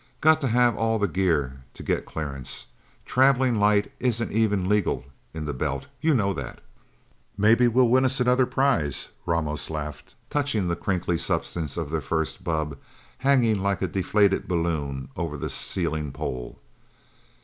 Got to have all the gear to get clearance. Travelling light isn't even legal in the Belt. You know that." "Maybe we'll win us another prize," Ramos laughed, touching the crinkly substance of their first bubb, hanging like a deflated balloon over the ceiling pole.